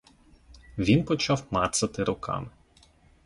Він почав мацати руками.